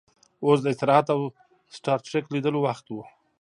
اوس د استراحت او سټار ټریک لیدلو وخت و